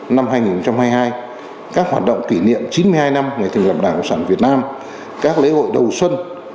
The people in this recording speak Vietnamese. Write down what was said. năm hai nghìn hai mươi hai các hoạt động kỷ niệm chín mươi hai năm ngày thành lập đảng cộng sản việt nam các lễ hội đầu xuân